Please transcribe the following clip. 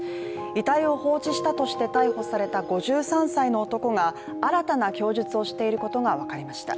遺体を放置したとして逮捕された５３歳の男が新たな供述をしていることが分かりました。